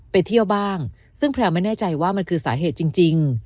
ไปเที่ยวบ้างซึ่งแพลวไม่แน่ใจว่ามันคือสาเหตุจริง